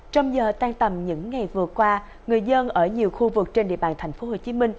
trong giờ tan tầm những ngày vừa qua người dân ở nhiều khu vực trên địa bàn tp hcm